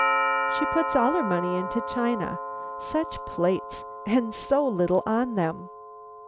"She puts all her money into china! Such plates! _and so little on them!